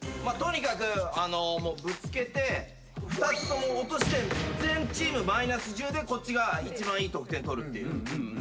とにかくぶつけて２つとも落として全チームマイナス１０でこっちが一番いい得点取るっていう。